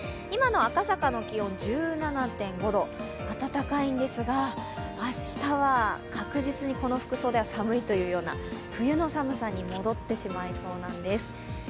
今の赤坂の気温１７．５度暖かいんですが、明日は確実にこの服装では寒いというような冬の寒さに戻ってしまいそうなんです。